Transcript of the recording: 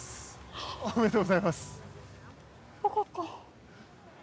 おめでとうございます。よかった。